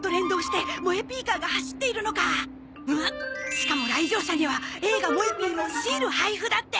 しかも来場者には映画『もえＰ』のシール配布だって！